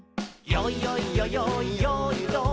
「よいよいよよいよーいドン」